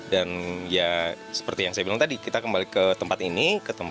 dan ya seperti yang saya bilang tadi kita kembali ke tempat ini